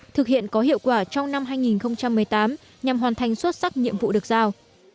thực hiện có hiệu quả trong năm hai nghìn một mươi tám nhằm hoàn thành xuất sắc nhiệm vụ được giao